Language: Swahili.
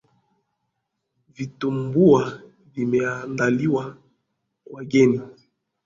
Vitumbua vimeandaliwa wageni